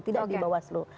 tidak di bawah seluruh